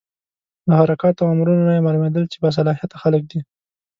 له حرکاتو او امرونو نه یې معلومېدل چې با صلاحیته خلک دي.